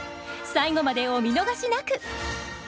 最後までお見逃しなく！